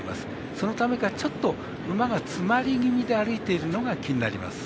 そのためか、ちょっと馬が詰まり気味で歩いているのが気になります。